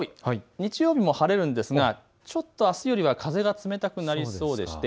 日曜日も晴れるんですがちょっとあすよりも風が冷たくなりそうです。